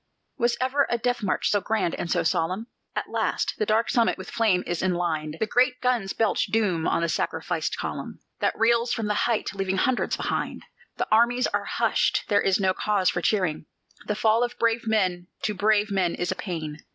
Was ever a death march so grand and so solemn? At last, the dark summit with flame is enlined; The great guns belch doom on the sacrificed column, That reels from the height, leaving hundreds behind. The armies are hushed there is no cause for cheering: The fall of brave men to brave men is a pain.